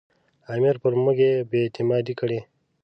امیر پر موږ بې اعتماده کړي.